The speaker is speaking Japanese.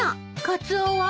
カツオは？